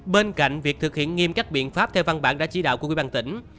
bên cạnh việc thực hiện nghiêm các biện pháp theo văn bản đã chỉ đạo của quỹ ban tỉnh